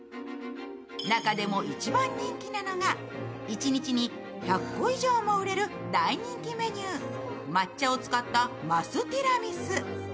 中でも一番人気なのが、１日に１００個以上も売れる大人気メニュー抹茶を使った升ティラミス。